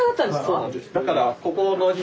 そうなんです。